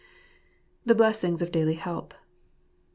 The Blessings of Daily Help.